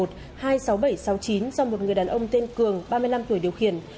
do một người đàn ông tên cường ba mươi năm tuổi điều khiển